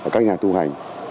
các nhà tu hành